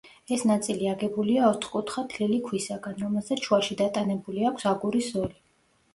ეს ნაწილი აგებულია ოთხკუთხა თლილი ქვისაგან, რომელსაც შუაში დატანებული აქვს აგურის ზოლი.